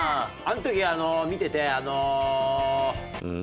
あの時あの見ててあの。